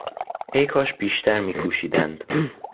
ای کاش بیشتر میکوشیدند!